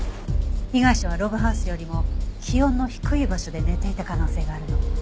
被害者はログハウスよりも気温の低い場所で寝ていた可能性があるの。